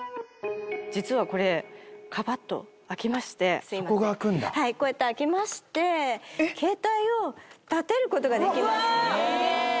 実はこれカパッと開きましてそこが開くんだはいこうやって開けまして携帯を立てることができます